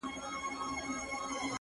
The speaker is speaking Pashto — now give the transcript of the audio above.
توري جامې ګه دي راوړي دي. نو وایې غونده.